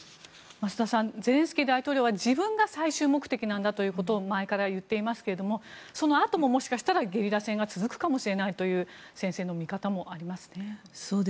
増田さんゼレンスキー大統領は自分が最終目的なんだと前から言っていますがそのあとも、もしかしたらゲリラ戦が続くかもしれないという先生の見方もありますね。